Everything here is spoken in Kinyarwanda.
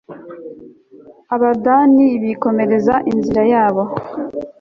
abadani bikomereza inzira yabo